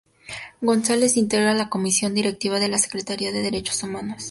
González integra la comisión directiva en la Secretaría de Derechos Humanos.